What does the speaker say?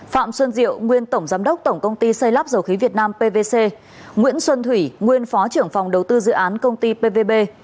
phạm xuân diệu nguyên tổng giám đốc tổng công ty xây lắp dầu khí việt nam pvc nguyễn xuân thủy nguyên phó trưởng phòng đầu tư dự án công ty pvb